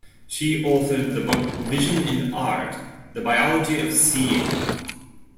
She authored the book "Vision and Art: The Biology of Seeing".